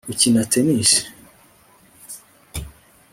ukina tennis